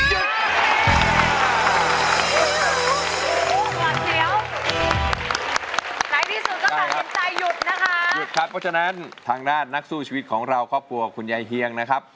หยุดครับเพราะฉะนั้นทางด้านนักสู้ชีวิตของเราก็กลัวคุณยายเฮียงนะครับ